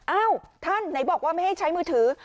เอ้าท่านไหนบอกว่าไม่ให้ใช้มือถือ